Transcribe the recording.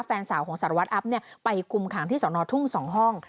แฟนสาวของสารวัตรอัพไปคุมขังที่สอนอทุ่ง๒ห้อง